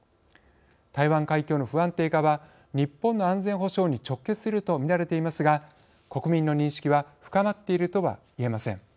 台湾海峡の不安定化は日本の安全保障に直結するとみられていますが国民の認識は深まっているとはいえません。